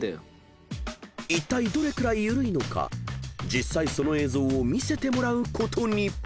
［いったいどれくらい緩いのか実際その映像を見せてもらうことに］